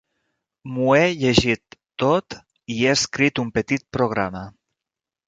M'ho he llegit tot i he escrit un petit programa.